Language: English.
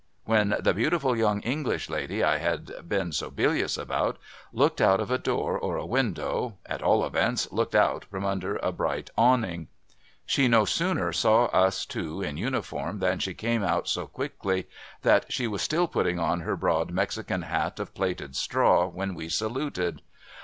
when the beautiful young English lady I had been so bilious about, looked out of a door, or a window — at all events looked out, from under a bright awning. She no sooner saw us two in uniform, than she came out so quickly that she was still putting on her broad Mexican hat of plaited straw when we saluted.